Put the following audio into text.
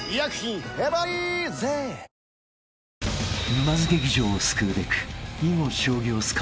［沼津劇場を救うべく］